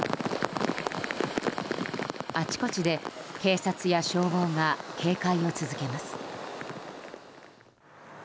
あちこちで警察や消防が警戒を続けます。